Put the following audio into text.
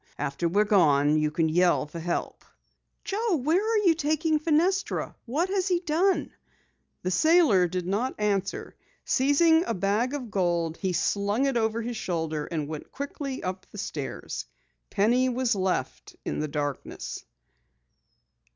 After we're gone you can yell for help." "Joe, where are you taking Fenestra? What has he done?" The sailor did not answer. Seizing a bag of gold, he slung it over his shoulder and went quickly up the stairs. Penny was left in the darkness.